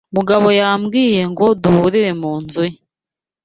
Mugabo yambwiye ngo duhurire mu nzu ye.